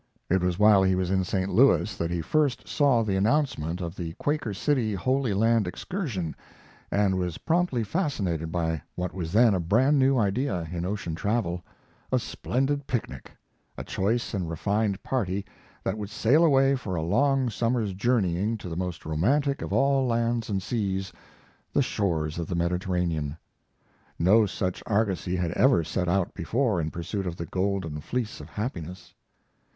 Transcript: It was while he was in St. Louis that he first saw the announcement of the Quaker City Holy Land Excursion, and was promptly fascinated by what was then a brand new idea in ocean travel a splendid picnic a choice and refined party that would sail away for a long summer's journeying to the most romantic of all lands and seas, the shores of the Mediterranean. No such argosy had ever set out before in pursuit of the golden fleece of happiness.